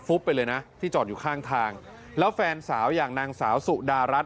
ไปเลยนะที่จอดอยู่ข้างทางแล้วแฟนสาวอย่างนางสาวสุดารัฐ